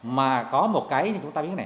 mà có một cái